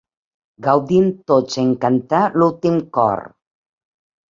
Gaudim tots en cantar l'últim cor.